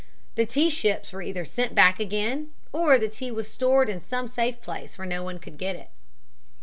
The tea ships were either sent back again or the tea was stored in some safe place where no one could get it.